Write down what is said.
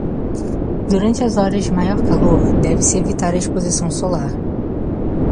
Durante as horas de maior calor, deve-se evitar a exposição solar.